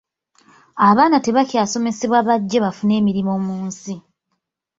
Abaana tebakyasomesebwa bajje bafune emirimu mu nsi